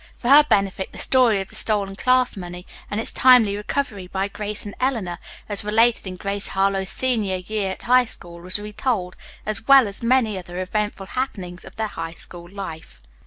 For her benefit the story of the stolen class money and its timely recovery by Grace and Eleanor, as related in "Grace Harlowe's Senior Year at High School," was retold, as well as many other eventful happenings of their high school life.